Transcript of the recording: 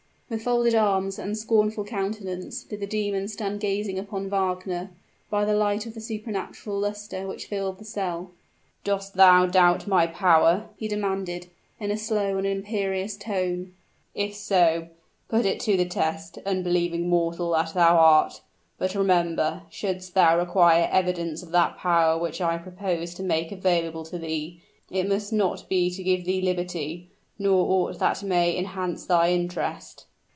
With folded arms and scornful countenance, did the demon stand gazing upon Wagner, by the light of the supernatural luster which filled the cell. "Dost thou doubt my power?" he demanded, in a slow and imperious tone. "If so, put it to the test, unbelieving mortal that thou art! But remember should'st thou require evidence of that power which I propose to make available to thee, it must not be to give thee liberty, nor aught that may enhance thy interest."